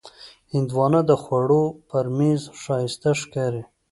هندوانه د خوړو پر میز ښایسته ښکاري.